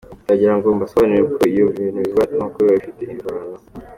Ndagira ngo mbasobanurire kuko iyo ibintu bivugwa ni uko biba bifite imvano.